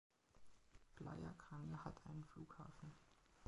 Playa Grande hat einen Flughafen.